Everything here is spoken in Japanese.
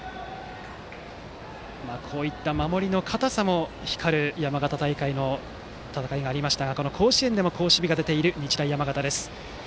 こういった守りの堅さも光る山形大会の戦いもありましたがこの甲子園でも好守備が出ている日大山形です。